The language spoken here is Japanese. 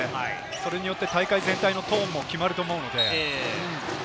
それによって大会全体のトーンも決まると思うので。